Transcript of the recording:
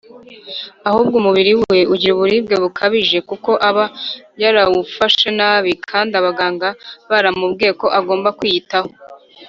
Ahubwo umubiri we ugira uburibwe bukabije kuko aba yarawufashe nabi kandi abaganga baramubwiye ko agomba kwiyitaho